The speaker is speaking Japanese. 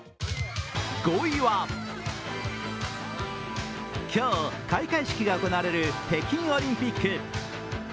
５位は、今日開会式が行われる北京オリンピック。